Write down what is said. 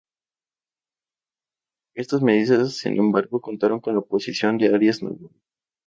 Estas medidas, sin embargo, contaron con la oposición de Arias Navarro.